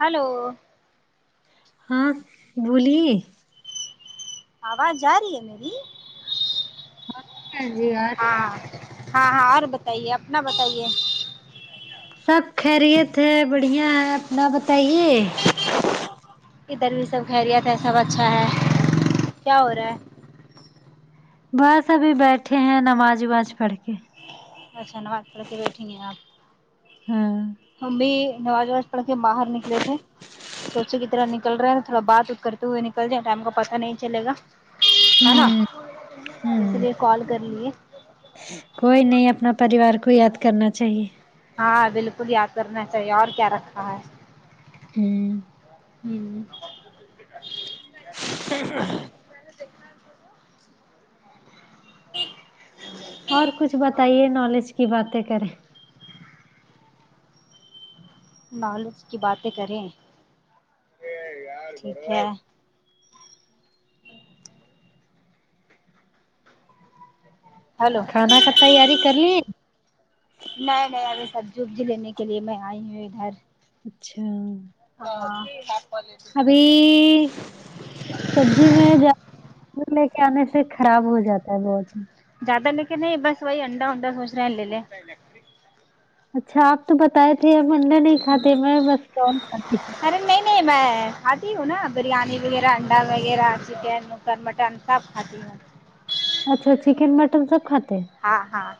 hello ہاں بولے آواز جا رہی ہے میری ہاں جی آ رہی ہاں ہے ہاں ہاں اور بتائیے اپنا بتائیے سب خیریت ہے بڑھیا ہے اپنا بتائیے ادھر بھی سب خیریت ہے سب اچھا ہے کیا ہو رہا ہے بس ابھی بیٹھے ہیں نماز وماز پڑھ کے اچھا نماز پڑھ کے بیٹھی گ ہیں آپ ہاں ہم بھی نماز وواز پڑھ کے باہر نکلے تھے سو چ کی طرح نکل رہا ہیں تھوڑا بات ا کرتے ہوئے نکل جائے ٹائم کا پتا نہیں چل گا ہے نا ہوں ہوں اتنی کال کر لیے کوئی نہیں اپنا پریوار کو یاد کرنا چاہیے ہاں بالکل یاد کرنا چاہیے اور کیا رکھا ہے ہوں ہوں اور کچھ بتائیے نالیج کی باتیں کریں نالج کی باتیں کریں ٹھیک ہے ہلو کھانا کا تیاری کر لی نہیں نہیں ابھی سبزی وبزی لینے کے لیے میں آئی ہوں ادھر اچھا ہاں ابھی سبزی میں زیادہ لے کے آنے سے خراب ہو جاتا ہے بہت زیادہ لے کے نہیں بس وہی انڈا ہوڈا سوچ رہے ہیں لے لے اچھا آپ تو بتائے تھے اب انڈا نہیں کھاتے میں بس کون کھاتی ہ ارے نہیں نہیں میں کھاتی ہوں نا بریانی وغیرہ انڈا وغیرہ چکن مکن مٹن سب کھاتی ہوں اچھا چکن مٹن سب کھاتے ہیں ہاں ہاں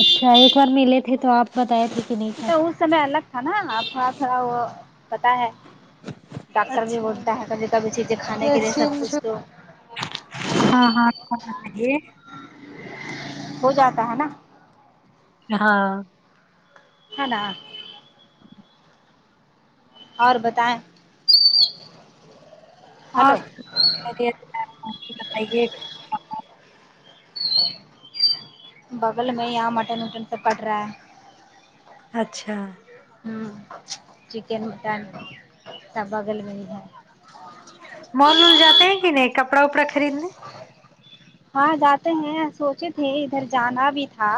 اچھا ایک بار ملے تھے تو آپ بتائے تھ اچا اس سمے الگ تھا نا آپ تھوڑا تھوڑا وہ پتا ہے ڈاکٹر بھی اچھا بولتا ہے کبھی چیزیں جو کانے کے لیے س ایکسچینج کچھ تو ہاں ہاں کو [unintelligible] ہو جاتا ہے نا ہاں کھانا اور بتائیں اور ہلو خیریت سے ہے بتائیے بغل میں ایہاں متن وطن تو پکرہا ہے اچھا ہ چکن مٹن سب بغل میں ہی ہے مال وول جاتے ہیں کہ نہیں کپڑا وپڑا خریدنے ہاں جاتے ہیں سوچے تھے ادھر جانا بھی تھا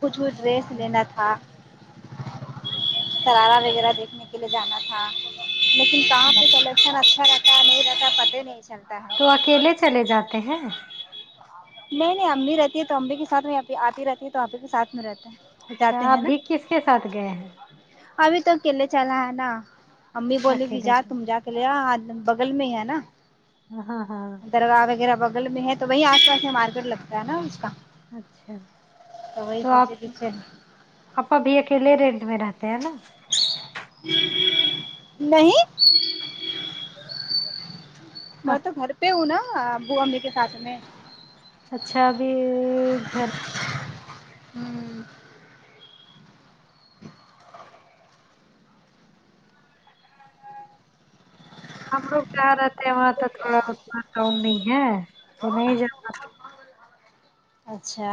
کچھ وہ ڈریس لینا اچھا تھا شرارہ وغیرہ دیکھنے کے لیے جانا تھا لیکن کہاں پہ کلیکشن اچھا رہتا کا نہیں رہتا ہے پتہ ہی نہی چلتا ہے تو اکیلے چلے جاتے ہیں نہیں نہیں اممی بھی رہتی ہے تو اممی کے ساتھ مے یہ پھر آپی رہتی ہے تو آپو کے ساتھ میں رہتا ہیں اچھا جاتے ہیں نا ابھی کس کے ساتھ گئے ہیں ابھی تو اکیلے چلے آئے نہ امی بولی کے اکیلے جاؤ تم جا چلے بغل میں ہی ہے نا ہ ہاں ہاں درگاہ وغیرہ بغل میں ہے تو وہی آس پاس میں مارکیٹ لگتا ہے نا اس کا اچھا وہی تو آپ سوچے کہ چل اپ ا بھی اکیلے ہی رینٹ میں رہتے ہیں نا نہیں میں تو گھر پہ ہوں نا ابو امی کے ساتھ میں اچھا ابھی گھر ہوں ہم لوگ جہاں رہتے ہیں وہاں تو تھوڑا اتنا کا نہیں ہے تو نہیں جا پاتے اچھا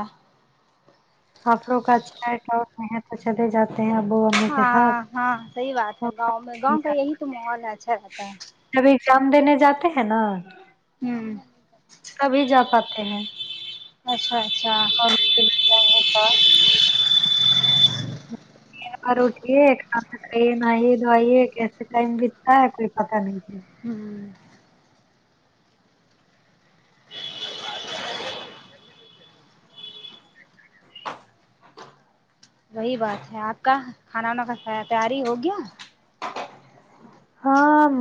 آوں کا اچھا محنت چلے جاتے ہیں ابو امی کے ساتھ ہاں ہاں صحیح بات ہے گاؤں میں گاؤں کا یہی تو مال اچھا رہتا جب ایگزام دینے جاتے ہیں نا ہوں تبھی جا پاتے ہیں اچھا اچھا ک تھا بار اٹھیے کھانا کھائیے نہائیے دوائیے کیسے ٹائم بیتتا ہے کوئی پتا نہیں تھا ہوں وہی بات ہے آپ کا کھانا وانا کا تیاری ہوگیا ہاں م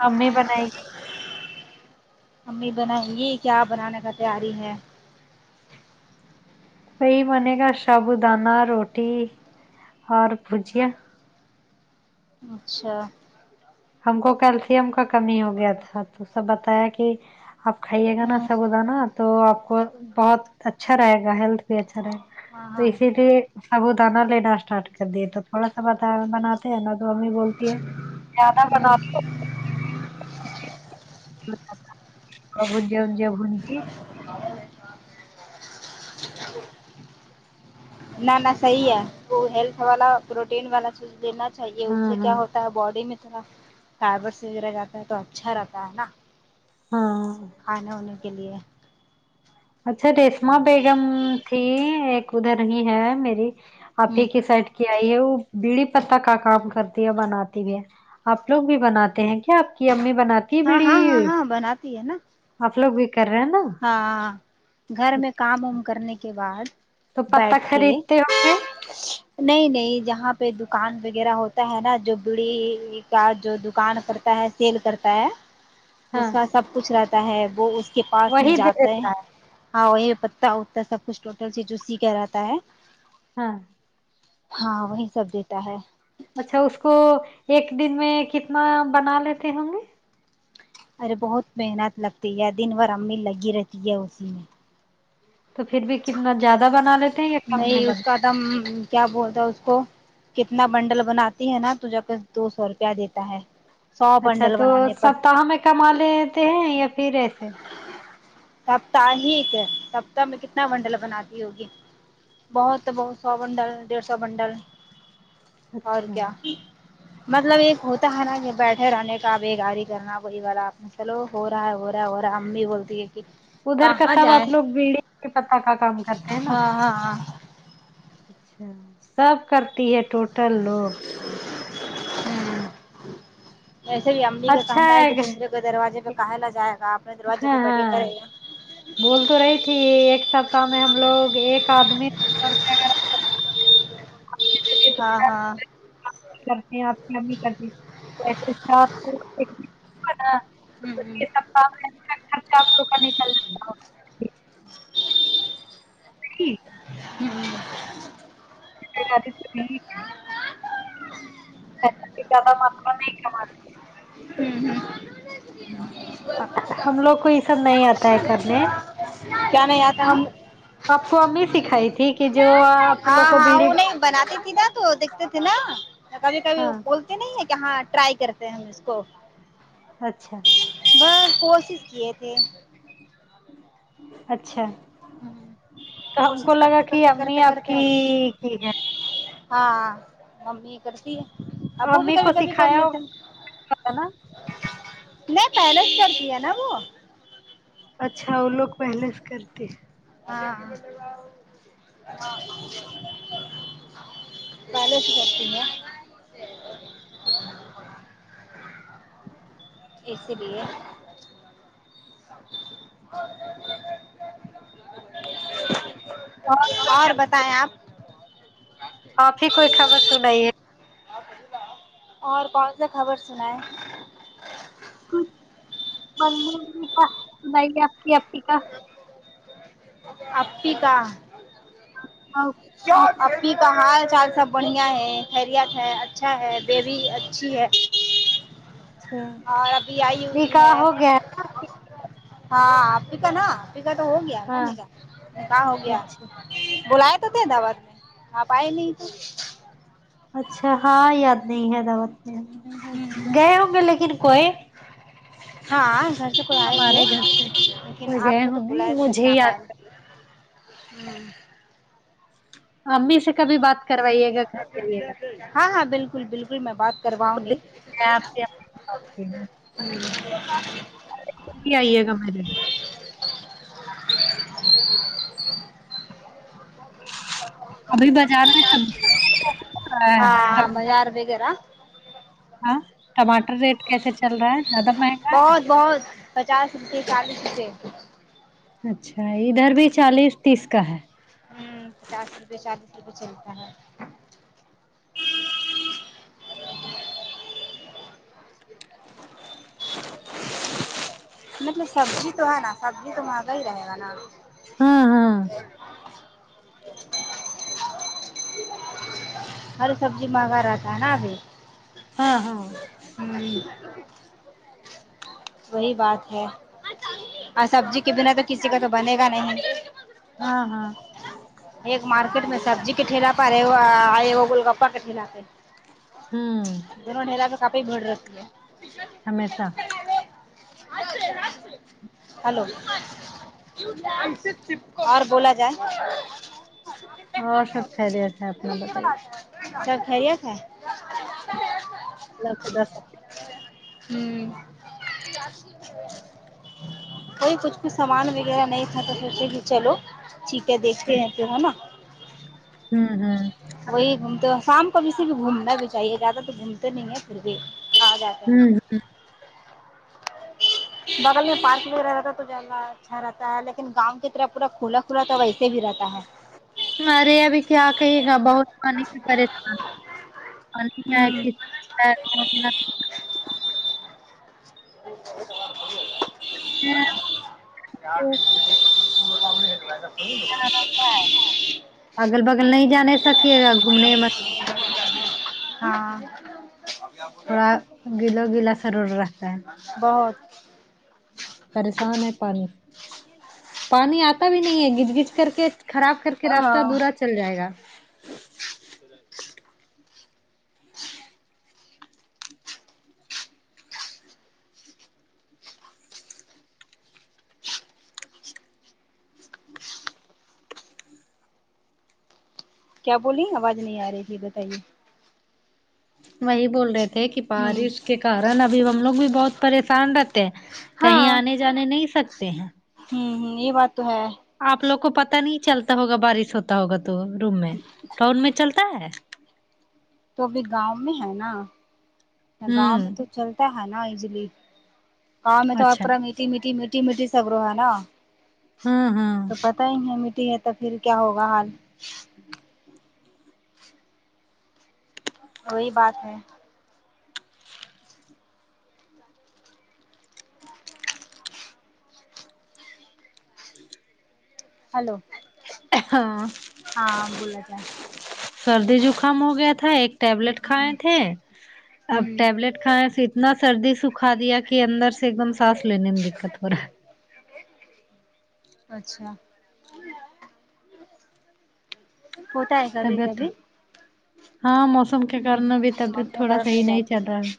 ممی بنائے گی امی بنائ گی کیا بنانے کا تیاری ہے وہی بنے گا سب دانہ روٹی اور بھجیا اچھا ہم کو کیلشیم کا کمی ہو گیا تھا تو سب بتایا کہ آپ کھائیے گا نا ہاں سب اد نا تو آپ کو بہت اچھا رہے گا ہیلتھ بھی اچھا رہے گا ہاں تو ہاں اسی لیے سبو دانہ لینا اسٹارٹ کر دیے تو تھوڑا سا ب دانا بناتے ہیں ن تو امی بولتی ہے زدہ بناپ ہوں تو کب ج ج بتی نہ نہ صحیح ہے وہ ہیلتھ والا پروٹین والا چیز دینا چاہیے اس ہاں سے کیا ہاں ہو باڈی میں تھوڑا فائبرس وغیرہ جاتا ہے تو اچھا رہتا ہے نا ہاں کھان ہونے کے لیے اچھا ریشما بیگم تھی ایک ادھر ہی ہے میری آپ ہ ہی کی سائڈ کیا آئی ہے وہ بیڑی پہ کا کام کرتی ہے بناتی بھی ہے آپ لوگ بھی بناتے ہیں کیا آپ کی امی بناتے کی ہاں ہاں ہاں بیڑی ہاں بناتی ہے نا آپ لوگ بھی کر رہے ہیں نا ہاں گھر میں کام وم کرنے کے بعد تو پتا بیٹھ کے خریدتے ہوں گے نہیں نہیں جہاں پہ دکان وغیرہ ہوتا ہے نا جو بڑی کا جو دکان کرتا ہے سیل کرتا ہے اس ہاں کا سب کچھ رہتا ہے وہ اس کے پاس میں وہی دے جاتا ہے دیتا ہاں وہ پتا وتا سب کچھ ٹوٹل سے جوسی کہ رہاتتا ہے ہاں ہاں وہی سب دیتا ہے اچھا اس کو ایک دن میں کتنا بنا لیتے ہوں گے ارے بہت محنت لگتی ہے دن بھر امی لگی رہتی ہے اسی میں تو پھر بھی کتنا زیادہ بنا لیتے ہیں یا کم میں نہیں اس بن کا دم کیا بولتا اس کو کتنا بنڈل بناتی ہے نا تو جا کے دو سو روپیہ دیتا ہے سو اچھا بنڈل تو بنانے پر سپتااہ میں کما لیتے ہیں یا پھر ایسے سپت ہیک سپتہ میں کتنا منڈل بناتی ہوگی بہت بہت سو بنڈل ڈیڑھ سو بنڈل اور اچھا کیا مطلب ایک ہوتا ہے نا کہ بیٹھے رہنے کا بےگاری کرنا کوئی والا آپ نے چلو ہو رہا ہے ہو رہا ہے ہو رہا ہے امی بولتی ہے کہ ادھر کا کہاں سب جائیں آپ لوگ بیڑی کے پتہ کا کام کرتے ہیں نا ہاں ہ اچھا سب کرتی ہے ٹوٹل لوگ اییسے بھی املی کا کہنا ہے ایک دوسرے کو دروازے پہ کہالا جائے گا اپنے دروازے ہاں پہ بڑھے ہاں کرے گا بول تو رہی تھی ایک سپتہ میں ہم لوگ ایک آدمی رپ ہاں ہاں کرتے ہیں آپ کی امی کرتی آپ کو [unintelligible] کیو [unintelligible] خرچہ آپ لوگ کا نہیں [unintelligible] [inaudible] [unintelligible] [unintelligible] ھمم ھمم ہم لوگ کو یہ سب نہیں آتا ہے کرنے کیا نہیں آتا ہم ہے آپ کو امی سکھائی تھی کہ جو آپ لوگ ہاں کو ہاں بیڑی وہ نہیں بناتی تھی نہ تو دیکھتے تھے نہ کبھی کبھی ہاں بولتے نہیں ہے کہ ہاں ٹرائی کرتے ہیں ہم اس کو اچھا بس کوشش کیے تھے اچھا تو ہم کو کوشش لگا کرتے کہ کرتے امی کرتے آپ کرتے کی ٹھیک ہے ہاں ا ممی کرتی ہے ابو بھی امی کبھی کو کبھی کر سکھایا لیتے ہوگا نا میں بیلنس کرتی ہے نہ وہ اچھا وہ لوگ پہلے سے کرتے ہاں ہاں پہلے سے کرتی ہے اسی لیے اور بتائیں آپ آپ ہی کوئی خبر سنائیے اور کون سے خبر سناۓ بھائی آپکی اپپی کا [unintelligible] اپپی کا ہاؤ چار اپپئ کا حال چال سب بڑھیا ہے خیریت ہے اچھا ہے بیبی اچھی ہے اچھا اور ابھی آئی ہوئی نکاح ہے ہو گیا ہاں آپی کا نہ آپ کا تو ہو گیا نہ ہاں نیکا نیکا ہو گیا اچھا بلاائے تو تھے دعوت میں آپ آئے نہیں تو اچھا ہاں یاد نہیں ہے دعوت میں نہیں یاد ہے ہوں گئے ہونگے لیکن کوۓ ہاں گھر سے کوئی آئے تھے سے لیکن کوئی آپ گئے کو تو ہوں بلاۓ گے تھے لیکن مجھے آپ آئے یاد کر ھممم امی سے کبھی بات کروائیے گا گھر جئیے گا تو ہاں ہاں بالکل بالکل میں بات کرواؤں گی میں آپ کی امی سے بات کروں گی وہ بھی آئیے گا میرے ابھی بازار میں سب ہاں بازار میں گۓ نہ ہاں ٹماٹر ری کیسے چل رہا ہے زیادہ مہنگا ہے بہت بہت پچاس روپے چالیس روپے اچھا ادھر بھی چالیس تیس کا ہے ھممم پچاس روپئے شاید چالیس روپئے چلتا ہے مطلب سبزی تو ہے نا سبزی تو مہنگا ہی رہے گا نہ ہاں ہاں ہر سبزی مگا رہاتا ہے نہ ابھی ہاں ہاں ھممم وہی بات ہے اور سبزی کے بنا تو کسی کا تو بنے گا نہیں ہاں ہاں ایک مارکیٹ میں سبزی کے ٹھیلا پے آے وہ گول گپا کے ٹھیلا پہ ہوں دونوں نلا تو کافی بھیڑ رہتی ہے ہمیشہ اچ ر [inaudible] ہیلو اور بولا جائے اور سب خیریت ہے اپنا بتائیے سب خیریت ہے یا خدا سب ھمم جس ہوے [inaudible] کوئی کچھ کچھ سامان وغیرہ نہیں تھا تو پھر سے بھی چلو ٹھیک ہے دیکھتے ہیں پھر ہے نا ہوں ہوں وہی گھومتے ہو شام کو کیسے بھی گھومنا بھی چاہیے زیادہ تو گھومتے نہیں ہیں پھر بھی آجات ہوں بغل میں پارک وغیر رہتا تو جانا ہے اچھا رہتا ہے لیکن گاؤں کی طرف پورا کھلا کھلا تو ویسے بھی رہتا ہے ارے ابھی کیا کہیے گا بہت پانی کی پریشانی کیا ہوں [inaudible] بندلہ [inaudible] د کام تو نہیں گ [inaudible] رہتا ہے اگل بگل نہیں جانے سکھیے گا گھومنے م ہاں تھوڑا گیلو گیلا سرورا بہت پریشان ہے پر پانی آتا بھی نہیں ہے گھچ گچ کر کے خراب کر کے راستہ ہاں دورا چل جائے گا کیا بولی آواز نہیں آ رہی ہے بتائیے وہی بول رہی تھی کہ ہوں بارش کے کارن ابھی ہم لوگ بھی بہت پریشان رہتے کہیں ہاں آنے جانے نہیں سکتے ہیں ہوں ہ یہ بات تو ہے آپ لوگ کو پتا نہیں چلتا ہوگا بارش ہوتا ہوگا تو روم میں ٹاؤن میں چلتا ہے تو ابھی گاؤں میں ہے نا گاؤں میں ہوں تو چلتا ہے نا ایزیلی گاؤں میں تو آپ اچھا پر میٹھی میٹھی میٹھی میٹھی سبرو ہے نا ہوں ہوں تو پتہ ہی نہیں ہے میٹھی ہے تو پھر کیا ہوگا حال کوئی بات ہے ہیلو ہاں جائے سردی زکام ہو گیا تھا ایک ٹیبلٹ کھائے تھے اب ہوں ٹیبلٹ کھا نسی اتنا سردی سکھا دیا کہ اندر سے ایک دم سانس لینے میں دقت ہو رہا ہے اچھا ہوتا ہے کبھی طبیعت کبھی ہاں موسم کے ہ ہ کارن ہ ابھی طبیعت موسم تھوڑا گرم ہو صحیح نہیں جاتی چل رہا ہے